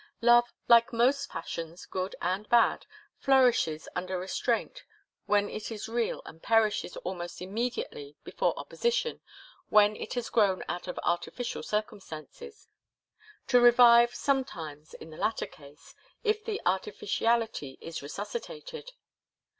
Love, like most passions, good and bad, flourishes under restraint when it is real and perishes almost immediately before opposition when it has grown out of artificial circumstances to revive, sometimes, in the latter case, if the artificiality is resuscitated.